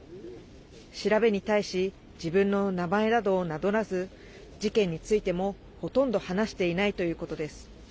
調べに対し自分の名前などを名乗らず事件についてもほとんど話していないということです。